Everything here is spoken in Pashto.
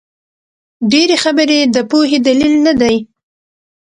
ډېري خبري د پوهي دلیل نه دئ.